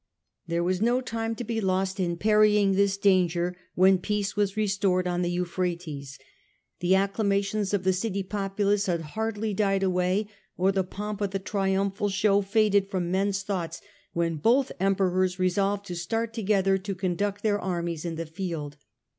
There was no time to be lost in parrying this danger, when peace was restored on the Euphrates. The acclamations of the city populace had hardly died away, or the pomp of the triumphal show faded from men's thoughts when both Emperors resolved to start together to conduct their armies in the field.